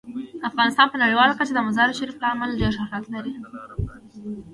افغانستان په نړیواله کچه د مزارشریف له امله ډیر شهرت لري.